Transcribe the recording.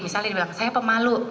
misalnya dia bilang saya pemalu